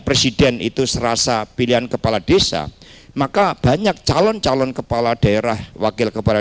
presiden itu serasa pilihan kepala desa maka banyak calon calon kepala daerah wakil kepala